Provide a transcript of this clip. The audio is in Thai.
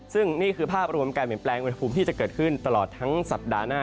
ซึ่งนี่คือภาพรวมการเปลี่ยนแปลงอุณหภูมิที่จะเกิดขึ้นตลอดทั้งสัปดาห์หน้า